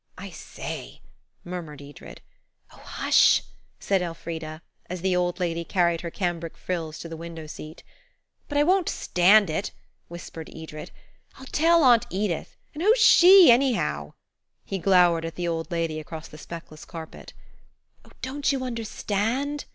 "I say!" murmured Edred. "Oh, hush!" said Elfrida, as the old lady carried her cambric frills to the window seat. "But I won't stand it," whispered Edred. "I'll tell Aunt Edith–and who's she anyhow?" He glowered at the old lady across the speckless carpet. "Oh, don't you understand?"